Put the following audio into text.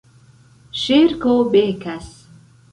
Ŝerko Bekas